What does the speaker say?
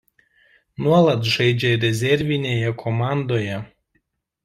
Nuolat žaidžia rezervinėje komandoje.